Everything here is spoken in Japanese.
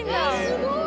すごい！